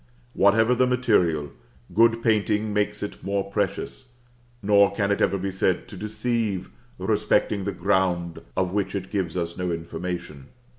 Whatever the material, good painting makes it more precious; nor can it ever be said to deceive respecting the ground of which it gives us no information.